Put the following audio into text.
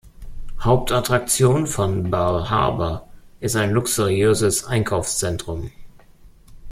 Hauptattraktion von Bal Harbour ist ein luxuriöses Einkaufszentrum.